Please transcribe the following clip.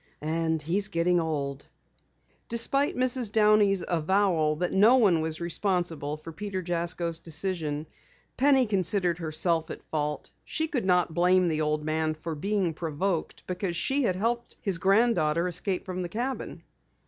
And he's getting old." Despite Mrs. Downey's avowal that no one was responsible for Peter Jasko's decision, Penny considered herself at fault. She could not blame the old man for being provoked because she had helped his granddaughter escape from the cabin.